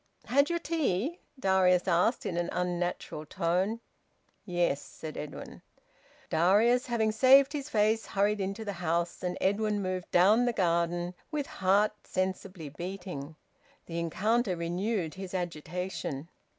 "Had your tea?" Darius asked, in an unnatural tone. "Yes," said Edwin. Darius, having saved his face, hurried into the house, and Edwin moved down the garden, with heart sensibly beating. The encounter renewed his agitation.